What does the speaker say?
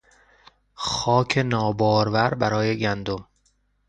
خاک نابارور برای گندم